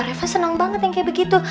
reva senang banget yang kayak begitu